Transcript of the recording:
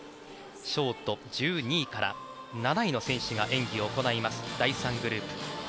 ショート１２位から７位の選手が演技を行います、第３グループ。